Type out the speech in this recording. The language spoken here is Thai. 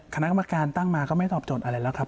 คณะกรรมการตั้งมาก็ไม่ตอบโจทย์อะไรแล้วครับ